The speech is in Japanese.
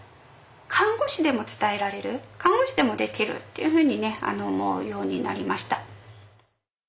看護師でも伝えられる看護師でもできるっていうふうにね思うようになりました。